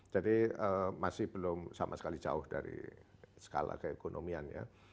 jadi masih belum sama sekali jauh dari skala keekonomian ya